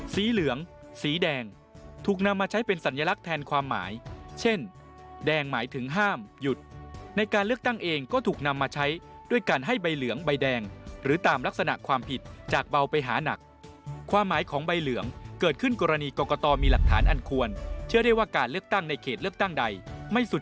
สีเหลืองสีแดงถูกนำมาใช้เป็นสัญลักษณ์แทนความหมายเช่นแดงหมายถึงห้ามหยุดในการเลือกตั้งเองก็ถูกนำมาใช้ด้วยการให้ใบเหลืองใบแดงหรือตามลักษณะความผิดจากเบาไปหานักความหมายของใบเหลืองเกิดขึ้นกรณีกรกตมีหลักฐานอันควรเชื่อได้ว่าการเลือกตั้งในเขตเลือกตั้งใดไม่สุด